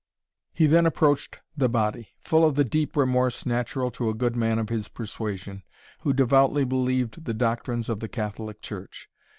He then approached the body, full of the deep remorse natural to a good man of his persuasion, who devoutly believed the doctrines of the Catholic Church.